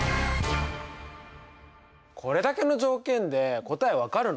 これだけの条件で答え分かるの？